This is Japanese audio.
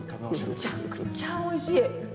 めちゃくちゃおいしい。